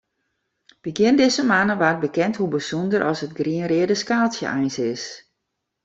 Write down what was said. Begjin dizze moanne waard bekend hoe bysûnder as it grien-reade skaaltsje eins is.